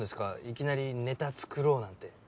いきなりネタ作ろうなんて。